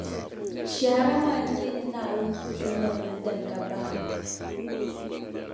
Shɛhira maa n-nyɛ ni Naawuni ti ti nyɛvili din ka bahigu.